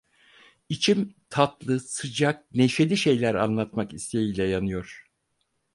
İçim tatlı, sıcak, neşeli şeyler anlatmak isteğiyle yanıyor.